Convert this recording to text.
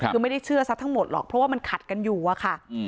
คือไม่ได้เชื่อซะทั้งหมดหรอกเพราะว่ามันขัดกันอยู่อะค่ะ